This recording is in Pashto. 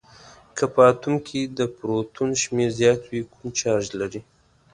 که په اتوم کې د پروتون شمیر زیات وي کوم چارج لري؟